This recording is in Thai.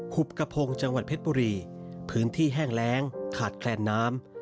ุบกระพงจังหวัดเพชรบุรีพื้นที่แห้งแรงขาดแคลนน้ำ